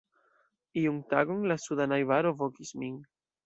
Iun tagon la suda najbaro vokis min.